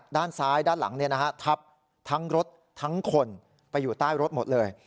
ด้านซ้ายด้านหลังทับทั้งรถทั้งคนไปอยู่ใต้รถหมดเลย